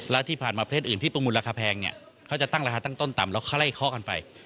แล้วที่ผ่านมาประเทศอื่นที่ประมูลราคาแพงเนี่ยเขาจะตั้งราคาตั้งต้นต่ำแล้วค่อยไล่เคาะกันไป